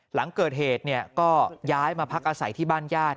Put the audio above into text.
หลังเกิดเหตุก็ย้ายมาพักอาศัยที่บ้านญาติ